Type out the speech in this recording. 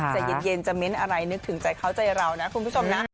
ใจเย็นจะเน้นอะไรนึกถึงใจเขาใจเรานะคุณผู้ชมนะ